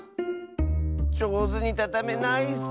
じょうずにたためないッス！